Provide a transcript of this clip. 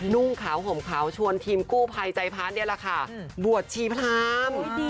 นุ่งขาวห่มขาวชวนทีมกู้ภัยใจพระนี่แหละค่ะบวชชีพราม